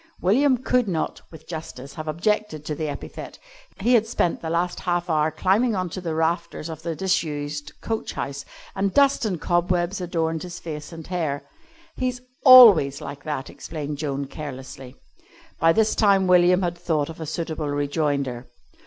William could not, with justice, have objected to the epithet. He had spent the last half hour climbing on to the rafters of the disused coach house, and dust and cobwebs adorned his face and hair. "He's always like that," explained Joan, carelessly. By this time William had thought of a suitable rejoinder.